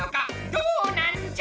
どうなんじゃ！